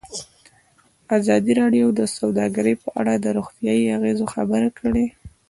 ازادي راډیو د سوداګري په اړه د روغتیایي اغېزو خبره کړې.